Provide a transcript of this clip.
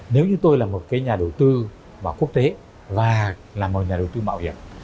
nếu như tôi là một nhà đầu tư vào quốc tế và là một nhà đầu tư bảo hiểm